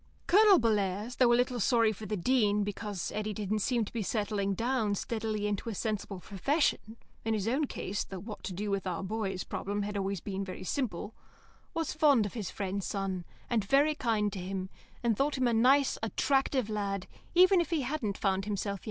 Colonel Bellairs, though a little sorry for the Dean because Eddy didn't seem to be settling down steadily into a sensible profession (in his own case the "What to do with our boys" problem had always been very simple) was fond of his friend's son, and very kind to him, and thought him a nice, attractive lad, even if he hadn't yet found himself.